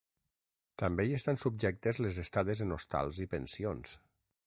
També hi estan subjectes les estades en hostals i pensions.